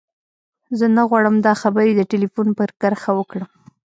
زه نه غواړم دا خبرې د ټليفون پر کرښه وکړم.